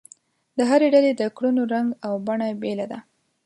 د هرې ډلې د کړنو رنګ او بڼه بېله ده.